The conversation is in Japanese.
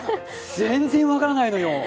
全然分からないのよ。